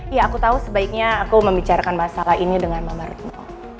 ya aku tahu sebaiknya aku membicarakan masalah ini dengan mbak retno